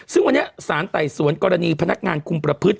ซึ่งวันนี้สารไต่สวนกรณีพนักงานคุมประพฤติ